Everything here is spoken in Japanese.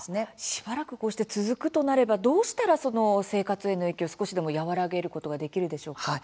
しばらく、こうして続くとなれば、どうしたら生活への影響、少しでも和らげることができるでしょうか。